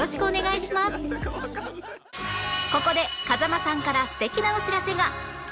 ここで風間さんから素敵なお知らせが